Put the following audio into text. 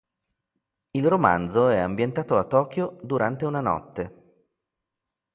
Il romanzo è ambientato a Tokyo durante una notte.